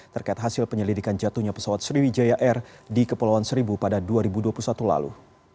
terkait hasil penyelidikan jatuhnya pesawat sriwijaya air di kepulauan seribu pada dua ribu dua puluh satu lalu